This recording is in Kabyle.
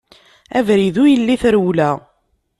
Abrid ur yelli i trewla.